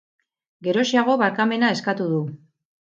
Geroxeago barkamena eskatu du.